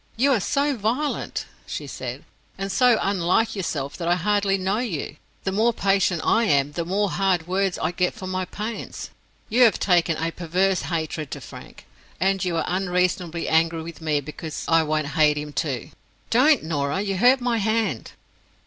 "You are so violent," she said, "and so unlike yourself, that I hardly know you. The more patient I am, the more hard words I get for my pains. You have taken a perverse hatred to Frank; and you are unreasonably angry with me because I won't hate him, too. Don't, Norah! you hurt my hand."